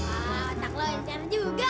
ah anak lo encer juga